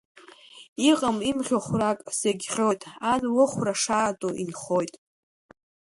Иҟам имӷьо хәрак зегь ӷьоит, ан лыхәра шаату инхоит.